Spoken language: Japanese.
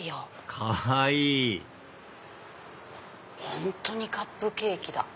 本当にカップケーキだ！